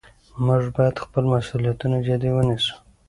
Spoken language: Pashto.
موږ باید خپل مسؤلیتونه جدي ونیسو